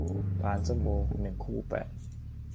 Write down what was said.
พานส้มโอ หนึ่ง คู่ แปด